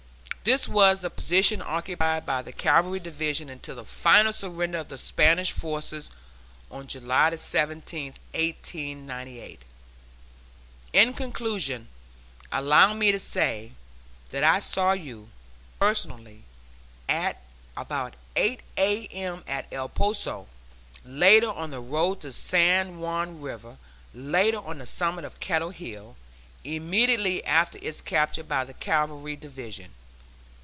This was the position occupied by the Cavalry Division until the final surrender of the Spanish forces, on July 17, 1898. In conclusion allow me to say, that I saw you, personally, at about 8 A.M., at El Poso; later, on the road to San Juan River; later, on the summit of Kettle Hill, immediately after its capture by the Cavalry Division.